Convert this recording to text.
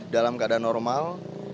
dalam keadaan normal